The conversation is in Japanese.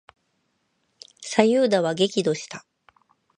左右田は激怒した。